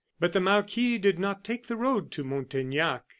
But the marquis did not take the road to Montaignac.